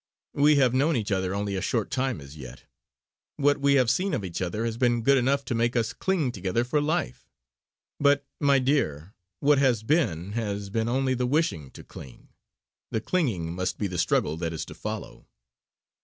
We have known each other only a short time as yet. What we have seen of each other has been good enough to make us cling together for life. But, my dear, what has been, has been only the wishing to cling; the clinging must be the struggle that is to follow.